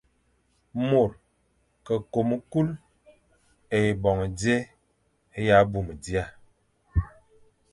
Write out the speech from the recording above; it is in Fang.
Môr ke kôm kul ébôñe, nzè e ya abmum dia.